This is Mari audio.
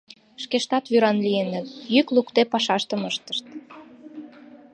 Шкештат вӱран лийыныт, йӱк лукде пашаштым ыштышт.